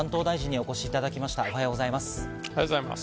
おはようございます。